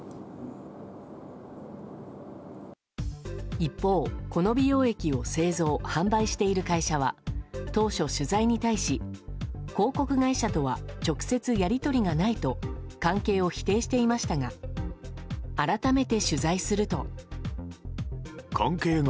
一方、この美容液を製造・販売している会社は当初、取材に対し広告会社とは直接やり取りがないと関係を否定していましたが改めて取材すると。